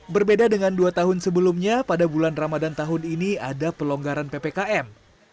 berbeda dengan dua tahun sebelumnya pada bulan ramadan tahun ini ada pelonggaran ppkm